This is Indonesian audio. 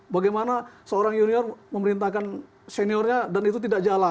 bagaimana seorang senior memerintahkan seniornya dan itu tidak jelas